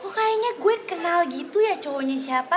kayaknya gue kenal gitu ya cowoknya siapa